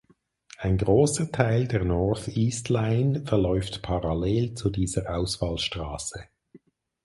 Ein großer Teil der North East Line verläuft parallel zu dieser Ausfallstraße.